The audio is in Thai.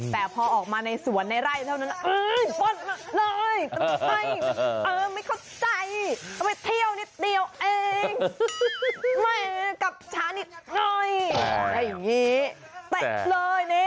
แต่พอออกมาในสวนในไร่เท่านั้นเออ